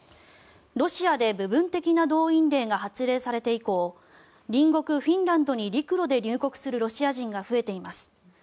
ロシアで部分的な動員令が発令されて以降隣国フィンランドに陸路で入国するロシア人が増えています。